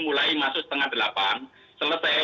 mulai masuk setengah delapan selesai